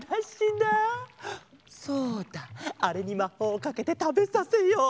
あれにまほうをかけてたべさせよう。